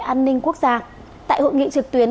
an ninh quốc gia tại hội nghị trực tuyến